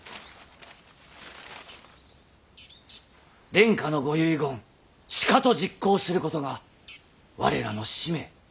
殿下のご遺言しかと実行することが我らの使命。